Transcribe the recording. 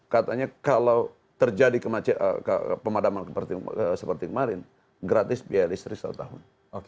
katanya kalau terjadi pemadaman seperti kemarin gratis biaya listrik satu tahun